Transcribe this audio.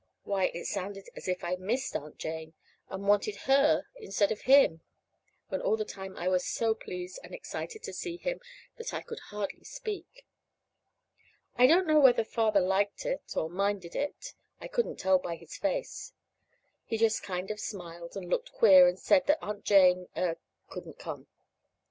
Why, it sounded as if I missed Aunt Jane, and wanted her instead of him, when all the time I was so pleased and excited to see him that I could hardly speak. I don't know whether Father liked it, or minded it. I couldn't tell by his face. He just kind of smiled, and looked queer, and said that Aunt Jane er couldn't come.